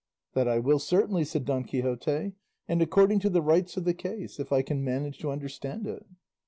"That I will, certainly," said Don Quixote, "and according to the rights of the case, if I can manage to understand it."